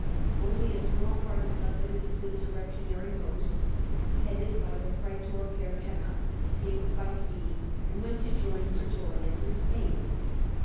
Only a small part of Lepidus's insurrectionary host, headed by the Praetor Perpenna, escaped by sea, and went to join Sertorius in Spain.